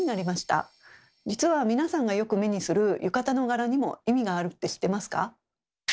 実は皆さんがよく目にする浴衣の柄にも意味があるって知ってますか？